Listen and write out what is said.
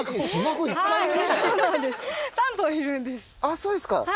あっそうですか。